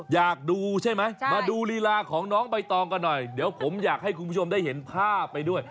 อยากดูใช่ไหมมาดูลีลาของน้องใบตองกันหน่อยเดี๋ยวผมอยากให้คุณผู้ชมได้เห็นภาพไปด้วย